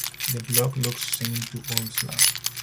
The block looks same to Old Slab.